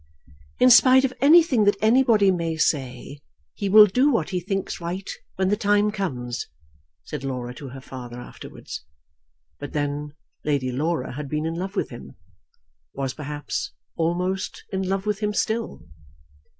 "In spite of anything that anybody may say, he will do what he thinks right when the time comes," said Laura to her father afterwards. But then Lady Laura had been in love with him, was perhaps almost in love with him still.